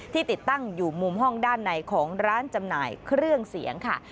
ติดตั้งอยู่มุมห้องด้านในของร้านจำหน่ายเครื่องเสียงค่ะ